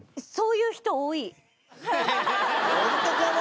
ホントかな？